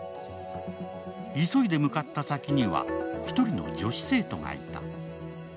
急いで向かった先には１人の女子生徒がいた。